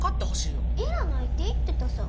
要らないって言ってたさ。